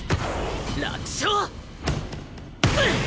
楽勝！